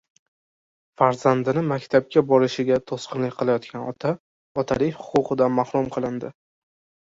Farzandini maktabga borishiga to‘sqinlik qilayotgan “ota” otalik huquqidan mahrum qilindi